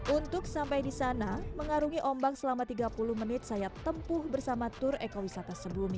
untuk sampai di sana mengarungi ombak selama tiga puluh menit saya tempuh bersama tur ekowisata sebumi